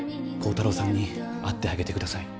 耕太郎さんに会ってあげて下さい。